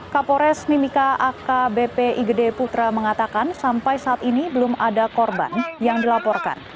kapolres mimika akbp igede putra mengatakan sampai saat ini belum ada korban yang dilaporkan